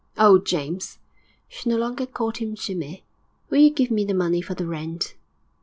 'Oh, James!' she no longer called him Jimmy 'will you give me the money for the rent?'